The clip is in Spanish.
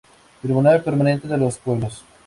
Tribunal Permanente de los Pueblos